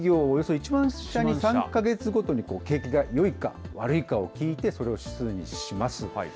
およそ１万社に３か月ごとに景気がよいか悪いかを聞いて、それを指数にします。